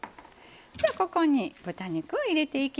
ここに豚肉を入れていきます。